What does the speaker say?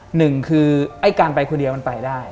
หนึ่งคือไอ้การไปคนเดียวมันไปได้